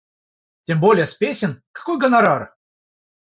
Тем более с песен — какой гонорар?!